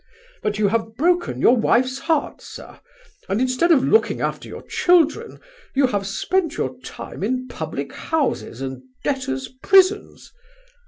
But you've broken your wife's heart, sir—and instead of looking after your children, you have spent your time in public houses and debtors' prisons!